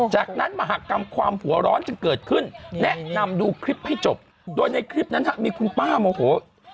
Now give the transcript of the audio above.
จากนั้นมหากรรมความหัวร้อนจึงเกิดขึ้นแนะนำดูคลิปให้จบโดยในคลิปนั้นมีคุณป้าโมโห